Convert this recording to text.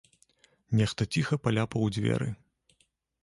Нехта ціха паляпаў у дзверы.